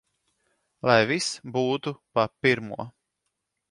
Lai viss būtu pa pirmo!